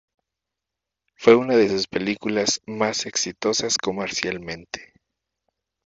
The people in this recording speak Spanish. Fue una de sus películas más exitosas comercialmente.